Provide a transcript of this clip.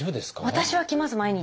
私は来ます毎日。